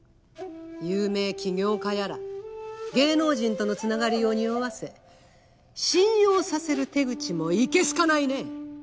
有名起業家やら芸能人とのつながりをにおわせ信用させる手口もいけすかないね！